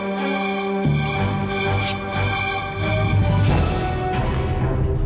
yang sepupu futsal